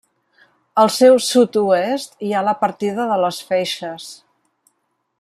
Al seu sud-oest hi ha la partida de les Feixes.